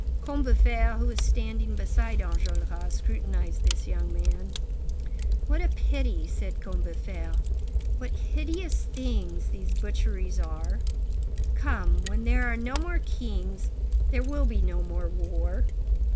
Combeferre, who was standing beside Enjolras, scrutinized this young man. "What a pity!" said Combeferre. "What hideous things these butcheries are! Come, when there are no more kings, there will be no more war.